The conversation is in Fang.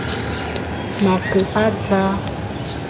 Ma ke a dzaʼa.